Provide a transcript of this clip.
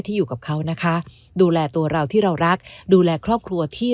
อยู่กับเขานะคะดูแลตัวเราที่เรารักดูแลครอบครัวที่